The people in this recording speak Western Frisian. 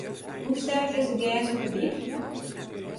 Hoe sterk is it gers op de dyk?